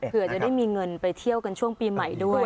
เผื่อจะได้มีเงินไปเที่ยวกันช่วงปีใหม่ด้วย